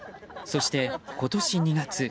そして、今年２月。